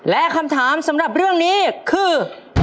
และคำถามสำหรับเรื่องนี้คือ